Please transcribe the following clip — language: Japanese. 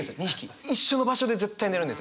一緒の場所で絶対寝るんですね。